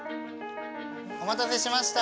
お待たせしました。